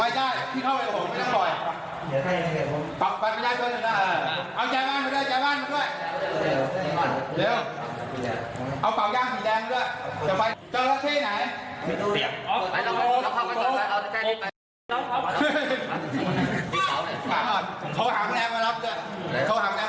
ยัดเต้นแน่ไปไหน